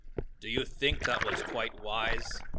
"Do you think that was quite wise?"